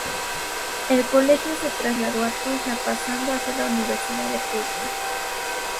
El colegio se trasladó a Tulsa pasando a ser la Universidad de Tulsa.